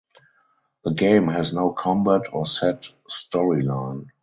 The game has no combat or set storyline.